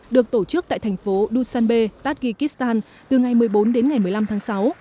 được tổ chức tại thành phố dusanbe tajikistan từ ngày một mươi bốn đến ngày một mươi năm tháng sáu